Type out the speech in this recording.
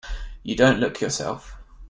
You don't look yourself.